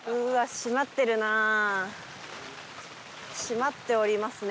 閉まってるね。